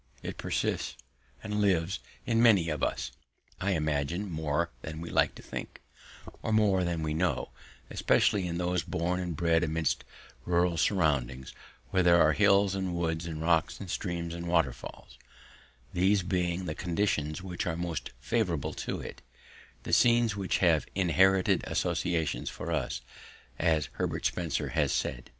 It persists and lives in many of us, I imagine, more than we like to think, or more than we know, especially in those born and bred amidst rural surroundings, where there are hills and woods and rocks and streams and waterfalls, these being the conditions which are most favourable to it the scenes which have "inherited associations" for us, as Herbert Spencer has said.